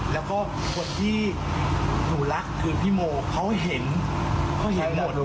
แล้วก็คนที่หนูรักคือพี่โมเขาเห็นเขาเห็นหมด